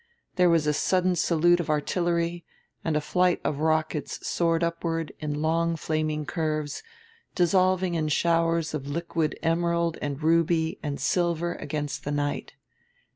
There was a sudden salute of artillery, and a flight of rockets soared upward in long flaming curves, dissolving in showers of liquid emerald and ruby and silver against the night.